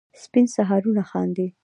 سپین سهارونه خاندي